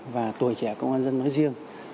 và tuổi trẻ công an nhân dân nói riêng